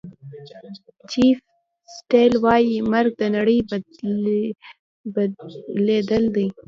چیف سیټل وایي مرګ د نړۍ بدلېدل دي.